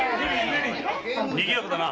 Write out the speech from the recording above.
にぎやかだな。